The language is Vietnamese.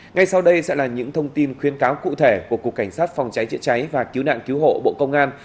ngay sau đây sẽ là những thông tin khuyến cáo cụ thể của cục cảnh sát phòng cháy chữa cháy và cứu nạn cứu hộ bộ công an